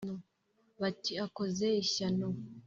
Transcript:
bati: akoze ishyano!”